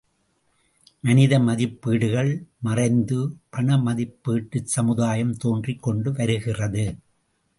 மனித மதிப்பீடுகள் மறைந்து பண மதிப்பீட்டுச் சமுதாயம் தோன்றிக் கொண்டு வருகிறது.